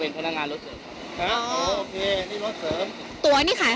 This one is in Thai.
เออรถใหม่จังเลย